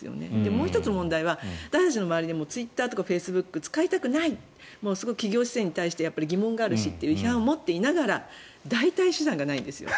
もう１つ問題は私たちの周りにもツイッターとかフェイスブックを使いたくない企業姿勢にも疑問があるしという批判を持っていながら代替手段がないんです。